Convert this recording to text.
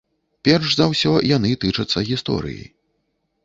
Перш за ўсё яны тычацца гісторыі.